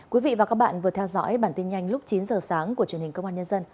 quý vị và các bạn vừa theo dõi bản tin nhanh lúc chín giờ sáng của truyền hình công an nhân dân